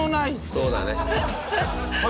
そうだね。